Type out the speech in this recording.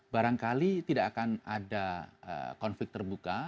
barangkali tidak akan ada konflik terbuka